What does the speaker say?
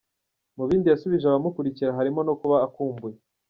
Mu bindi yasubije abamukurikira harimo no kuba akumbuye